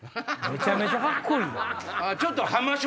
めちゃめちゃカッコいい。